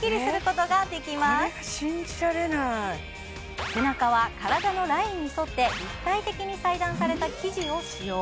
これが信じられない背中は体のラインに沿って立体的に裁断された生地を使用